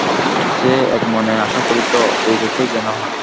সে একমনে আশা করিত, এইরূপই যেন হয়।